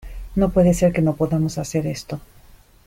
no puede ser que no podamos hacer esto.